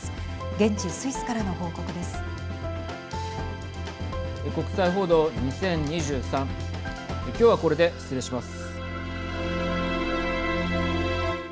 現地スイスからの報告です。